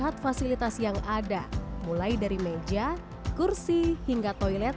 saya juga melihat fasilitas yang ada mulai dari meja kursi hingga toilet